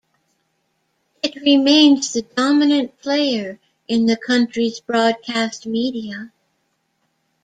It remains the dominant player in the country's broadcast media.